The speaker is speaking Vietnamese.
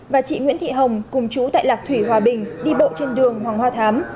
và chị nguyễn thị hồng cùng chú tại lạc thủy hòa bình đi bộ trên đường hoàng hoa thám